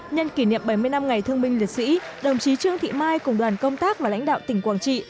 nhân kỷ niệm bảy mươi năm ngày thương minh liệt sĩ đồng chí trương thị mai cùng đoàn công tác và lãnh đạo tỉnh quảng trị